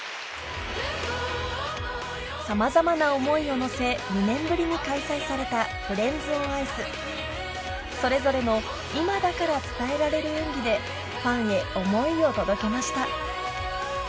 さまざまな思いを乗せ２年ぶりに開催されたフレンズオンアイスそれぞれの今だから伝えられる演技でファンへ思いを届けました